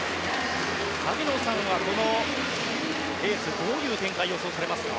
萩野さんはこのレースどういう展開を予想されますか？